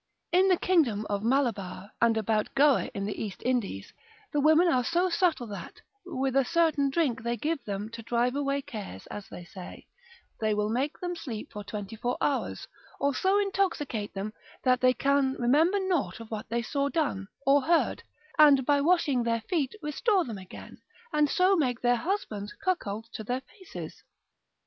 In the kingdom of Malabar, and about Goa in the East Indies, the women are so subtile that, with a certain drink they give them to drive away cares as they say, they will make them sleep for twenty four hours, or so intoxicate them that they can remember nought of that they saw done, or heard, and, by washing of their feet, restore them again, and so make their husbands cuckolds to their faces.